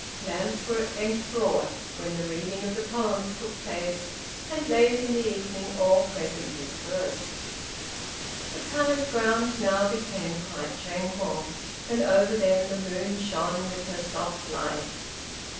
Lamps were at length brought, when the reading of the poems took place, and late in the evening all present dispersed. The palace grounds now became quite tranquil, and over them the moon shone with her soft light.